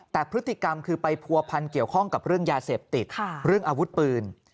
แต่พฤติกรรมคือไปผัวพันเกี่ยวข้องกับเรื่องยาเสพติดเรื่องอาวุธปืน